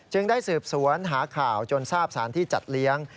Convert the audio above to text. ได้สืบสวนหาข่าวจนทราบสารที่จัดเลี้ยง